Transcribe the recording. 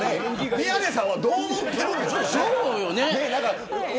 宮根さんはどう思ってるんでしょう。